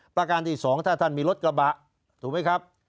ประการที่๒ถ้าท่านมีรถกระบะถูกไหมครับ